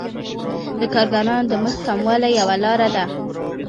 د کارګرانو د مزد کموالی یوه لاره ده